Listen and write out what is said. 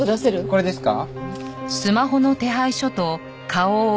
これですか？